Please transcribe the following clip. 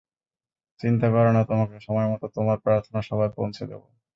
চিন্তা করো না, তোমাকে সময়মত তোমার প্রার্থনা সভায় পৌঁছে দেবো।